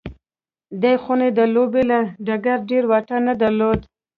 دې خونې د لوبې له ډګره ډېر واټن نه درلود